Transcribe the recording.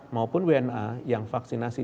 maupun wna yang vaksinasi